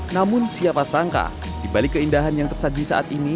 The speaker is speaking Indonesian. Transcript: namun siapa sangka dibalik keindahan yang tersaji saat ini